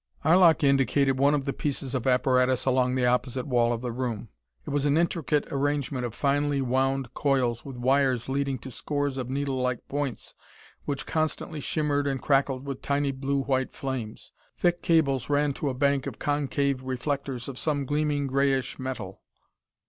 Arlok indicated one of the pieces of apparatus along the opposite wall of the room. It was an intricate arrangement of finely wound coils with wires leading to scores of needle like points which constantly shimmered and crackled with tiny blue white flames. Thick cables ran to a bank of concave reflectors of some gleaming grayish metal.